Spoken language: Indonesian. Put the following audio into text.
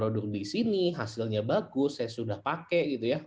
di sini hasilnya bagus saya sudah pakai untuk naik motoran pagi pagi